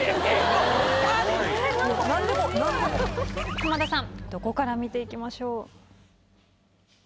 浜田さんどこから見ていきましょう？